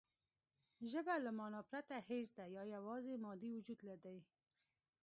ژبه له مانا پرته هېڅ ده یا یواځې مادي وجود دی